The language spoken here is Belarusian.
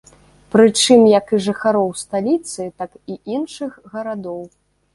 Прычым як жыхароў сталіцы, так і іншых гарадоў.